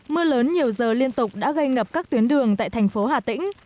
mưa lớn nhiều giờ liên tục đã gây ngập các tuyến đường tại thành phố hà tĩnh